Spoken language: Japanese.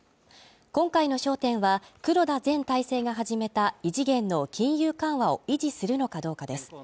今回の焦点は黒田前体制が始めた異次元の金融緩和を維持するのかどうかです。